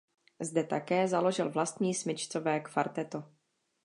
Zde také založil vlastní smyčcové kvarteto.